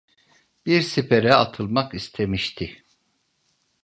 Bir sipere atılmak istemişti.